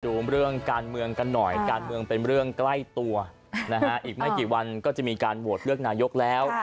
ดูเรื่องการเมืองกันหน่อยการเมืองเป็นเรื่องใกล้ตัวนะฮะอีกไม่กี่วันก็จะมีการโหวตเลือกนายกแล้ว